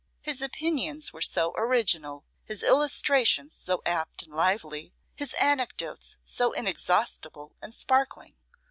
His opinions were so original, his illustrations so apt and lively, his anecdotes so inexhaustible and sparkling!